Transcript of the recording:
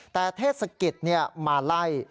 แต่เทศกิตเนี่ยมาไล่